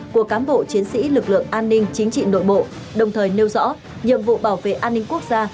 của cám bộ chiến sĩ lực lượng an ninh chính trị nội bộ đồng thời nêu rõ nhiệm vụ bảo vệ an ninh quốc gia